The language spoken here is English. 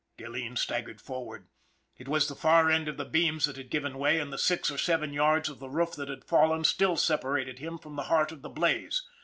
Gilleen staggered forward. It was the far end of the beams that had given away and the six or seven yards of the roof that had fallen still separated him from the heart of the blaze.